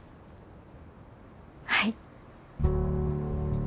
はい。